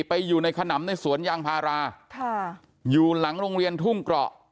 ไปอยู่ในขนำในสวนยางพาราค่ะอยู่หลังโรงเรียนทุ่งเกราะ